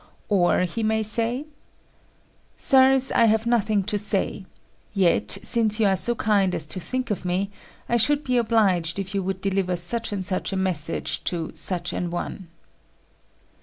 Or he may say, "Sirs, I have nothing to say; yet, since you are so kind as to think of me, I should be obliged if you would deliver such and such a message to such an one."